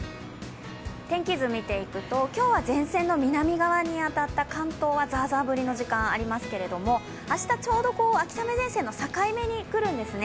天気図見ていくと、今日は前線の南側に当たった関東はザーザー降りの時間ありますけど、明日ちょうど秋雨前線の境に来るんですね。